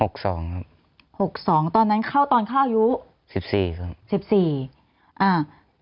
หกสองตอนนั้นเข้าตอนเข้าอายุสิบสี่ครับสิบสี่อ่า